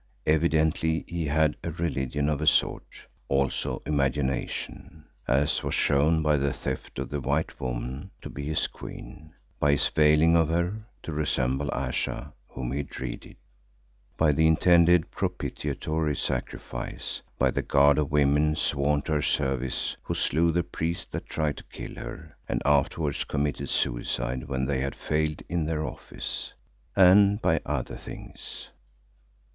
Evidently he had a religion of a sort, also imagination, as was shown by the theft of the white woman to be his queen; by his veiling of her to resemble Ayesha whom he dreaded; by the intended propitiatory sacrifice; by the guard of women sworn to her service who slew the priest that tried to kill her, and afterwards committed suicide when they had failed in their office, and by other things.